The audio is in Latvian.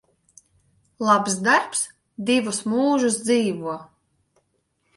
Labs darbs divus mūžus dzīvo.